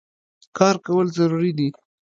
کار کول ضرور دي